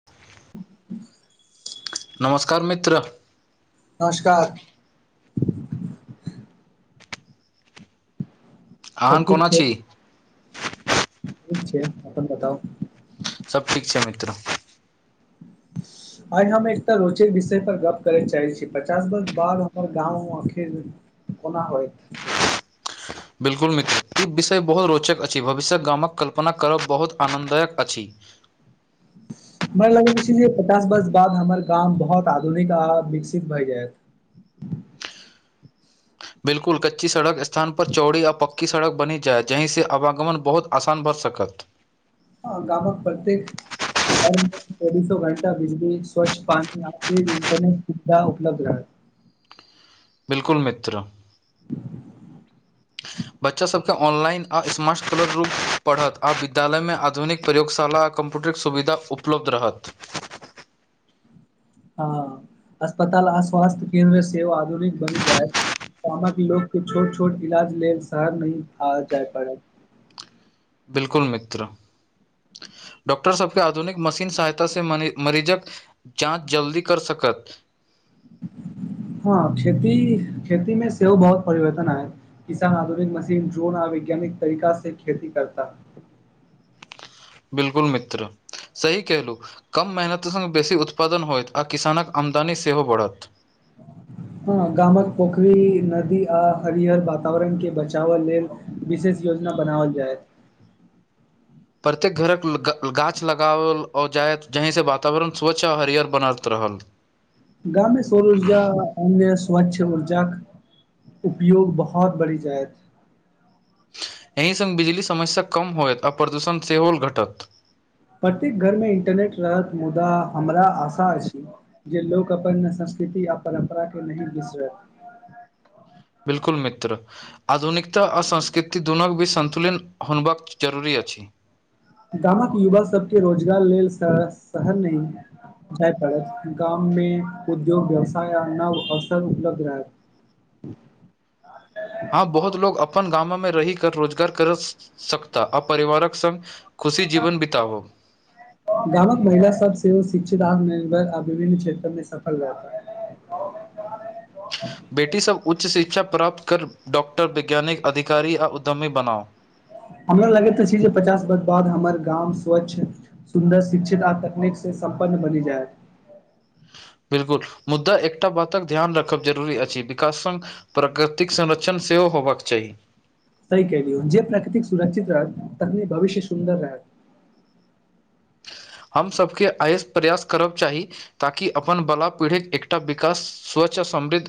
[unintelligible] [unintelligible] नमस्कार मित्र नमस्कार सब आहन ठीक कोना छै छी ठीक छिए अपन बताउ सब ठीक छै मित्र [unintelligible] आइ हम एकटा रोचे विषय पर गप्प करे चाहे छी पचास वर्ष बाद हमर गाँव आखिर कोना होइथ बिल्कुल मित्र ई विषय बहुत रोचक अछि भविष्यक गामक कल्पना करब बहुत आनन्ददायक अछि हमरा लग इसलिये पचास वर्ष बाद हमर गाम बहुत आधुनिक आ विकसित भए जायत बिल्कुल कच्ची सड़क स्थान पर चौड़ी आ पक्की सड़क बनी जाए जही से आवागमन बहुत आसान भऽ सकत आ गामक प्रत्येक लाइन कऽ चौबीसो घंटा बिजी स्वच्छ पान आ इटरनेट सुविधा उलब्ध रहत बिल्कुल मित्र बच्चास सभकेँ ऑनलाइन आ स्मार्ट [unintelligible] रूप पढ़त आ विद्यालयमे आधुनिक प्रयोगशाला कम्प्यूटर केँ सुविधा उपलब्ध रहत हँ अस्पताल आ स्वास्थ्य केन्द्र सेहो आधुनिक बनि जाइत गामक लोग के छोट छोट इलाज लेल शहर नही आ जाय परत बिल्कुल मित्र डॉक्टर सभ केँ आधुनिक मशीन सहायता से [unintelligible] मरीजक जाँच जल्दी कर सकत हँ खेती खेती मे सेहो बहुत परिवर्तन आयत किसान आधुनिक मशीन ड्रोन आ वैज्ञानिक तरीका से खेती करता बिल्कुल मित्र सही केहेलु कम मेहनतसँ बेसी उत्पादन होयत आ किसानक आमदनी सेहो बढ़त ह गामक पोखरी नदी आ हरयर वातावरण केँ बचावऽ लेल विशेष योजना बनाबल जाइत प्रत्येक घरक [unintelligible] गाछ लगाओल जाय जहिसँ वातावरण स्वच्छ आ हरियर बनत रहल गाममे सौर ऊर्जा अन्य स्वच्छ ऊर्जा उपयोग बहुत बढ़ि जायत एहि संग बिजली समस्या कम होयत आ प्रदूषण सेहो घटत प्रत्येक घरमे इंटरनेट रहत मुदा हमरा आशा अछि जे लोक अपन संस्कृति आ परम्परा के नहि बिसरत बिल्कुल मित्र आधुनिकता आ संस्कृति दुनू भी सन्तुलिन होनबाक जरूरी अछि गामक युवा सबके रोजगार लेल श शहर नै जाइ पड़त गाम मे उद्योग व्यवसाय आ नव असर उपलब्ध रहत हँ बहुत लोग अपन गामो मे रहि कर रोजगार कर सकता आ परिवारक संग खुशी जीवन बितउ गामक महिला सब सेहो शिक्षित आत्मनिर्भर आ विभिन्न क्षेत्र मे सफल रहता बेटी सब उच्च शिक्षा प्राप्त कर डाॅक्टर वैज्ञानिक अधिकारी आ उद्यमी बनाओ हमरा लगैत अछी जे पचास वर्ष बाद हमर गाम स्वच्छ सुन्दर शिक्षित आ तकनीकसँ सम्पन्न बनि जायत बिल्कुल मुद्दा एकटा बातक ध्यान राखब जरूरी अछि विकासंग प्राकृतिक संरक्षण सेहो होबक चाही सही केलियो जे प्रकृतिक सुरक्षित रहत तखने भविष्य सुन्दर रहत हमसभके एइसँ प्रयास करब चाही ताकि अपन बला पीढ़ीक एकटा विकास स्वच्छ आ समृद्ध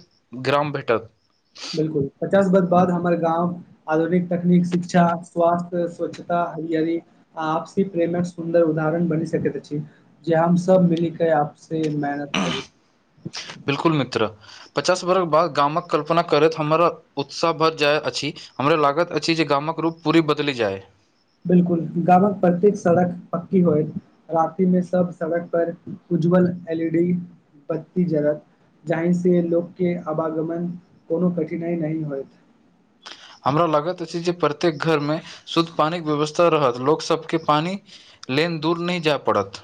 ग्राम भेटत बिल्कुल पचास बर्ष बाद हमर गाँव आधुनिक तकनीक शिक्षा स्वास्थ स्वच्छता हरियरी आपसी प्रेमक सुन्दर उदाहरण बनी सकेत अछि जे हम सब मिली क आप से मेहनत करी बिल्कुल मित्र पचास बरख बाद गामक कल्पना करैत हमरा उत्साह भर जाइ अछि हमरा लागत अछि जे गामक रूप पूरी बदलि जाय बिल्कुल गामक प्रत्येक सड़क पक्की होइ राति मे सब सड़क पर उज्ज्वल एल ई डी बत्ती जरत जाहिसँ लोकके आवागमन कोनो कठिनाइ नहि होयइत हमरा लागत अछि जे प्रत्येक घर मे शुद्ध पानी के व्यवस्था रहत लोक सबके पानी लेन दूर नहि जाय पड़त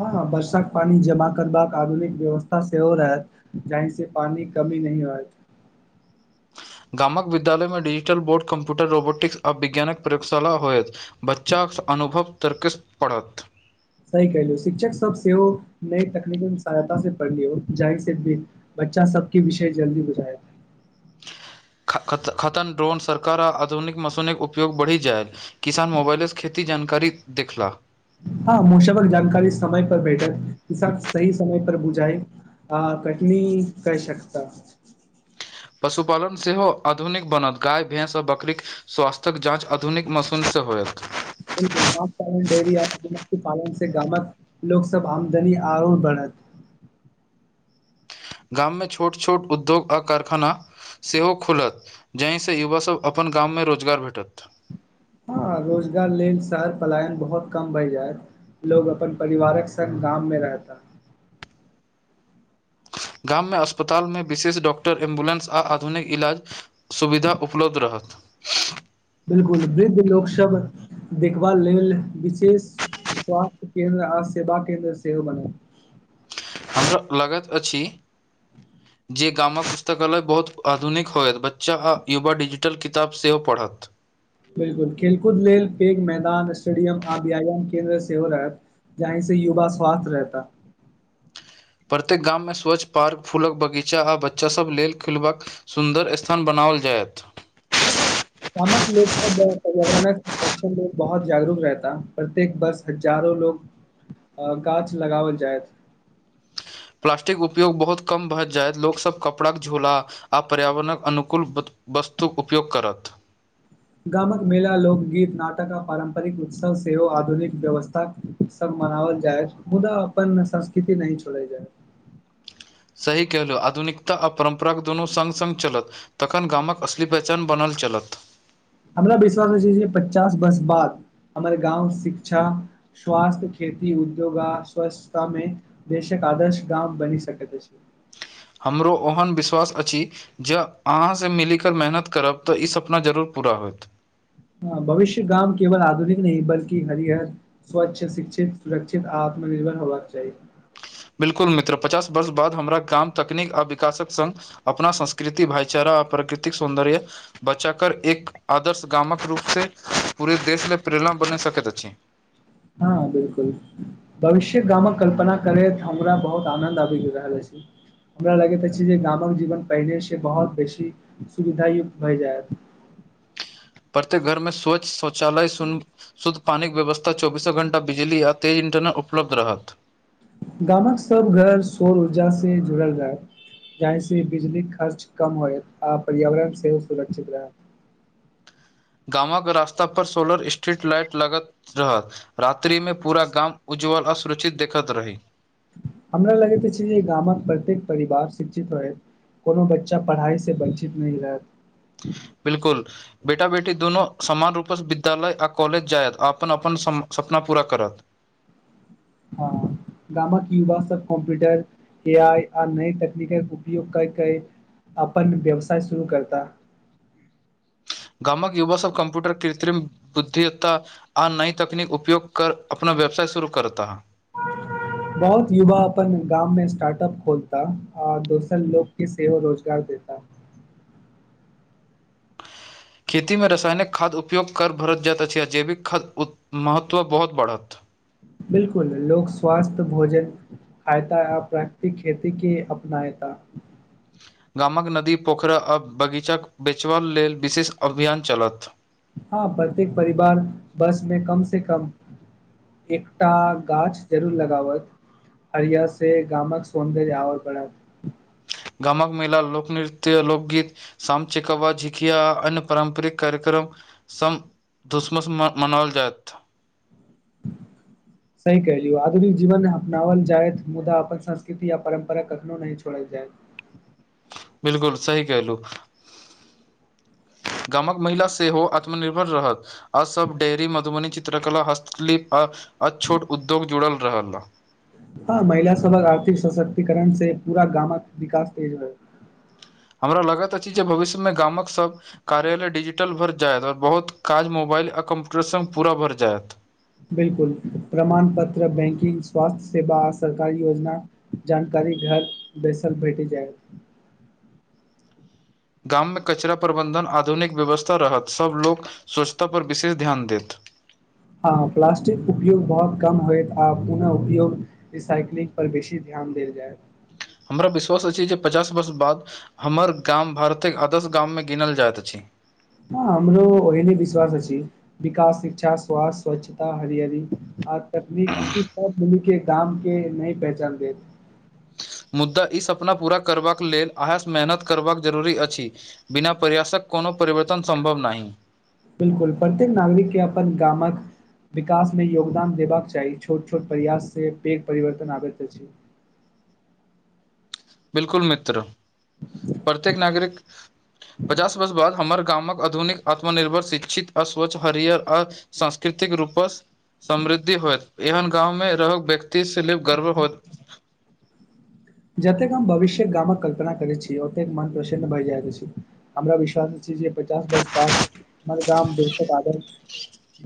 हँ वर्षाक पानी जमा करबाक आधुनिक व्यवस्था सेहो रहैत जाही से पानी कमी नहि होयथ गामक विद्यालयमे डिजिटल बोर्ड कम्प्यूटर रोबोटिक्स आ विज्ञानक प्रयोशा होयत बच्चासँ अनुभव तर्कस पड़त सही क लियौ शिक्षक सब सेहो नई तकनीकी सहायता से पढ़ लिय जाइ से भी बच्चा सबके विषय जल्दी बुझाय खतन ड्रोन सरकार आ आधुनिक मशून उपयोग बढ़ी जाय किसान मोबाइलसँ खेती जानकारी देखला हँ मुशबर जानकारी समय पर बैठत किस सही समय पर बुझाए हँ कटनी कय शकता पशुपालन सेहो अधुनिक बनत गाय भैंस आ बकरीक स्वास्थ्य्यक जाँच आधुनिक मसून से होयत बिलकुल माख पालन डेयरी आ मधुमक्खी पालन से गामक [unintelligible] लोक सब आमदनी आयो बढ़त गाममे छोट छोट उद्योग आ कारखाना सेहो खुलत जाहिसँ युवासभ अपन गाममे रोजगार भेटत हँ रोजगार लेल शहर पलायन बहुत कम भय जायत लोग अपन परिवारक संगङ्ग गाममे रहता गाममे अस्पतालमे विशेष डॉक्टर एम्बुलेंस आ आधुनिक इलाज सुविधा उपलब्ध रहत बिल्कुल वृद्ध लोक सब देखबा लेल विशेष स्वास्थ्य केन्द्र आ सेवा केन्द्र सेहो बनत हमरा लागैत अछि ह जे गामक पुस्तकालय बहुत आधुनिक होयत बच्चा आ युवा डिजिटल किताब सेहो पढ़त बिल्कुल खेलकूद लेल पेघ मैदान स्टेडियम आ्यायन केन्द्र सेहो रहत जहहि से युवा स्वास्थ रहता प्रत्येक गाममे स्वच्छ पार्क फूलक बगीचा आ बच्चासभ लेल खेलबाक सुन्दर स्थान बनाओल जायत गामक लोक पर्यावरणक संरक्षण ल बहुत जागरूक रहता प्रत्येक बस हजारो लोग अ गाछ लगावल जायइत प्लास्टिक उपयोग बहुत कम भऽ जाय लोकसभ कपड़ाके झोला आ पर्यावरणक अनुकूल वस्तुक उपयोग करत गामक मेला लोकगीत नाटक आ पारम्परिक उत्सव सेहो आधुनिक व्यवस्था सब मनाओल जायत मुदा अपन संस्कृति नै छोड़े जाय सही कलहु आधुनिकता आ परम्पराके दुनू सङ्ग सङ्ग चलत तखन गामक असली पहचान बनल चलत हमरा विश्वास अछि जे पचास वर्ष बाद हमर गाँव शिक्षा स्वास्थ्य खेती उद्योग आ स्वच्छतामे देशक आदर्श गाम बनी सकैत अछि हमरो ओहन विश्वास अछि जँ अहाँसँ मिल कऽ मेहनत करब तऽ ई सपना जरूर पूरा होयत हँ भविष्य गाम केवल आधुनिक नहि बल्कि हरिहर स्वच्छ शिक्षित सुरक्षित आ आत्मनिर्भर होबाक चाही बिल्कुल मित्र पचास वर्ष बाद हमरा गाम तकनीक आ विकासक संग अपना संस्कृति भाईचारा आ प्राकृतिक सौन्दर्य बचा कर एक आदर्श गामक रूप से पूरे देश मे प्रेरणा बन सकैत अछि हँ बिल्कुल भविष्य गामक कल्पना करैत हमरा बहुत आनद आबि रहल अछि हमरा लगैत अछि जे गामक जीवन पहिनेसँ बहोत बेसी सुविधायुक्त भए जायत प्रत्येक घरमे स्वच्छ शौचालय सुन शुद्ध पानिक व्यवस्था चौबीसो घंटा बिजली आ तेज इंटरनेट उपलब्ध रहत गामक सब घर सौर ऊर्जा से जुड़ल जायत जाहिसँ बिजलीके खर्च कम होयत आ पर्यावरण सेहो सुरक्षित रहै गामवक रास्ता पर सोलर स्ट्रीट लाइट लगत रहत रात्रि मे पूरा गाम उज्ज्ववल असुरक्षित देखैत रही हमरा लगैत अछि जे गामक प्रत्येक परिवार शिक्षित रहैत कोनो बच्चा पढ़ाइसँ वञ्चित नहि रहत बिल्कुल बेटा बेटी दुनू समान रूप सँ विद्यालय आ कॉलेज जायत अपन अपन सपना पूरा करत। हँ गामक युवा सब कम्प्यूटर ए आ आ नई तकनीक उपयोग कय कय अपन व्यवसाय शुरू करता। गामक युवा सब कम्प्यूटर कृत्रिम बुद्धित्ता आ नई तकनीक उपयोग कर अपना व्यवसाय शुरू कर तऽ है [unintelligible] बहुत युवा अपन गाम में स्टार्टअप खोलता आ दोसर लोग केँ सेहो रोजगार देता खेतीमे रासायनिक खाद्य उपयोग कर भरत जाइत अछि आ जैविक खाद उत महत्व बहुत बढ़त बिल्कुल लोक स्वास्थ भोजन खायता आ प्राकृतिक खेती केँ अपनायता गाम कऽ नदी पोखरि आ बगीचाक बेचब लेल विशेष अभियान चलत। हँ प्रत्येक परिवार बस मे कम से कम एकटा गाछ जरूर लगाबत हरिया से गामक सौंन्दर्य और बढ़त गामक मेल लोकनृत्य लोकगीत साम चिकवा झिकिया अन्य पारम्परिक कार्यक्रम सम [unintelligible] धुसमस मनाओल जायत सही कहिलियौ आधुनिक जीवन अपनाबल जाइत मुदा अपन संस्कृति यऽ परम्परा कखनो नहि छोड़ल जायत बिल्कुल सी केहलू [inaudible] गामक महिला सेहो आत्मनिर्भर रहत अ सब डेरी मधुबनी चित्रकला हस्तकिलिप आ छोट उद्योग जुड़ल रहे ला हँ महिला सबक आर्थिक सशक्तिकरण से पूरा गामक विकास तेज होइत हमरा लागैत अछि जे भविष्यमे गामक सभ कार्यालय डिजिटल भरि जायत और बहुत काज मोबाइल आ कम्प्यूटर संग पूरा भरि जायत बिल्कुल प्रमाण पत्र बैंकिंग स्वास्थ्य सेवा सरकारी योजना जानकारी घर बैसल भेटी जायत गाममे कचरा प्रबन्धन आधुनिक व्यवस्था रहत सभ लोको स्वच्छता पर विशेष ध्यान देत हँ प्लास्टिक उपयोग बहुत कम होयइत आ पुनः उपयोग रीसाइक्लिंग पर बेसी ध्यान देल जायत हमरा विश्वास अछि जे पचास वर्ष बाद हमर गाम भारतक आदश गाममे गिनल जाइत अछि ह हमरो ओहिने विश्वास अछि विकास शिक्षा स्वास्थ्य स्वाच्छता हरयरी आ तकनीकी इ सब मिल केँ गाम केँ नई पहचान देत मुदा ई सपना पूरा करबाक लेल अहास मेहनत करबाक जरूरी अछि बिना परयासक कोनो परवर्तन सम्भव नहि बिल्कुल प्रत्येक नागरिक केँ अपन गामक विकास मे योगदान देबाक चाही छोट छोट प्रयास से पैघ परिवर्तन आबैत अछि बिल्कुल मित्र [inaudible] प्रत्येक नागरिक पचास वर्ष बाद हमर गामक आधुनिक आत्मनिर्भर शिक्षित अ स्वच्छ हरियर आ सांस्कृतिक रूपस समृद्धि होयत एहन गाँव मे रह व्यक्ति [unintelligible] गर्व होत जतेक हम भविष्य गामक कल्पना करैत छी ओतेक मन प्रसन्न भए जाइत अछि हमरा विश्वास छी जे पचास बर्ष बाद [inaudible] हमर गाम बेहत आदर्श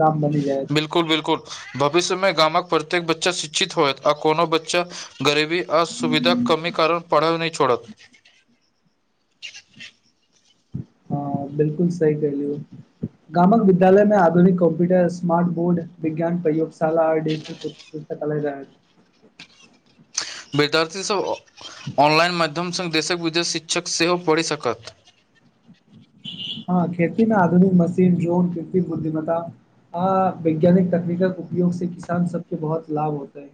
गाँव बनी जाइत बिल्कुल बिल्कुल भविष्य मे गामक प्रत्येक बच्चा शिक्षित होयत आ कोनो बच्चा गरीबी आ सुविधा कमी करन पढ़ल नहि छोड़त हँ बिल्कुल सही कलियौ गामक विद्यालय में आधुनिक कॉम्प्यूटर स्मार्ट बोर्ड विज्ञान प्रयोगशाला आ डिजिटल त क रह [unintelligible] विद्यार्थीसभ ऑनलाइन माध्यम संग देशक विदेश शिक्षक सेहो पढ़ि सकत हँ, खेती ने आधुनिक मशीन ड्रोन के बुद्धिमाता हं वैज्ञानिक तकनीकल उपयोग से किसान सबके बहुत लाभ होतय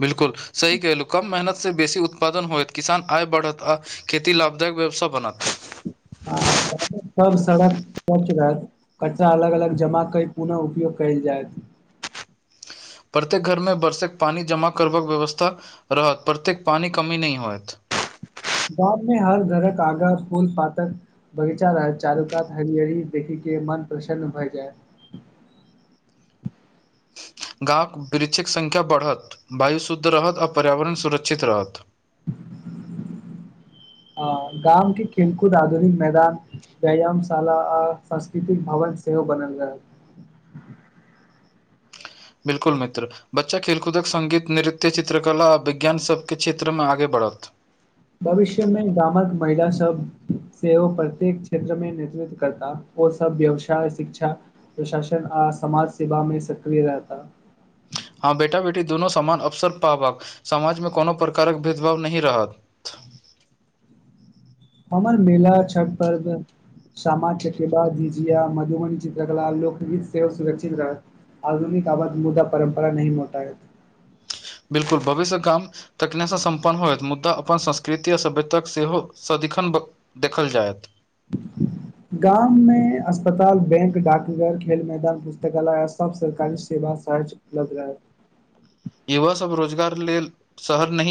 बिल्कुल सही केहलू कम मेहनत से बेसी उत्पादन होयत किसान आय बढ़त आ खेती लाभदायक व्यवस बनत हँ सब सड़क स्वच्छ रहत कच्चा अलग अलग जमा कय पुनः उपयोग कयल जयत प्रत्येक घरमे बरसक पानी जमा करबक व्यवस्था रहत प्रत्येक पानीकमी नहि होयत गाँव मे हर घरक आगां फूल पातक बगीचा रह चारूकात हरियरी देखी के मन प्रसन्न भय जायत गामवृक्षिक संख्या बढ़त वायु शुद्ध रहत आ पर्यावरण सुरक्षित रहत हँ गामके केलकूद आधुनीक मैदान व्यायामशाला आ संस्कृतिक भवन सेहो बनल रहल बिल्कुल मित्र बच्चा खेलकूदक संगीत निरित चित्रकला आ विज्ञान सबके क्षेत्र मे आगे बढ़त भविश्य मे गामक महिला सब से ओ प्रत्येक क्षेत्र मे नेतृत्व करता ओ सब व्यवसाय शिक्षा प्रशासन आ समाज सेवा मे सक्रिय रहता हँ बेटा बेटी दुनु समान अवसर पावक समाजमे कउनो प्रकारक भेदभाव नही रहत हमर मेला छठ पर्व शामा चकेबा झिझिया मधुबनी चित्रकला लोकगीत सेहो सुरक्षित रहत। आधुनिक आबद मुद्दा परम्परा नहि मोटायत बिल्कुल भविष्य काम तखने सँ सम्पन्न होयत मुद्दा अपन संस्कृति आ सभ्यताक सेहो सदिखन ब देखल जायत गाम मे अस्पताल बैंक डाकघर खेल -मैदान पुस्तकालय आ सब सरकारी सेवा सहज बजराह [unintelligible] युवा सब रोजगार लेल शहर नही